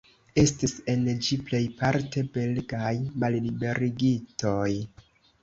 Estis en ĝi plejparte belgaj malliberigitoj.